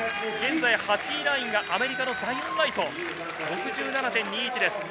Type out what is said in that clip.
現在、８位ラインがアメリカのザイオン・ライト、６７．２１です。